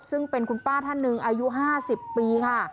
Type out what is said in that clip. ซึ่งเป็นคุณป้าท่านหนึ่งอายุ๕๐ปีค่ะ